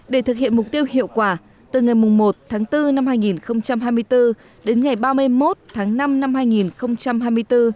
để thực hiện mục tiêu hiệu quả từ ngày một tháng bốn năm hai nghìn hai mươi bốn đến ngày ba mươi một tháng năm năm hai nghìn hai mươi bốn